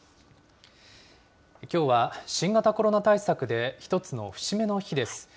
きょうは新型コロナ対策で一つの節目の日です。